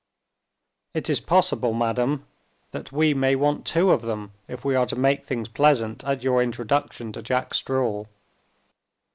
"It is possible, madam, that we may want two of them, if we are to make things pleasant at your introduction to Jack Straw."